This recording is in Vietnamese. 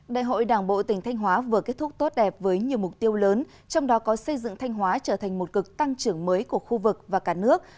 đại hội đảng bộ tỉnh thanh hóa vừa kết thúc tốt đẹp với nhiều mục tiêu lớn trong đó có xây dựng thanh hóa trở thành một cực tăng trưởng mới của khu vực và cả nước